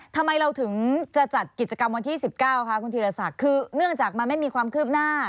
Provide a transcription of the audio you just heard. ทำไมเราถึงจะจัดกิจกรรมวันที่๑๙คะคุณธีรศักดิ์คือเนื่องจากมันไม่มีความคืบหน้า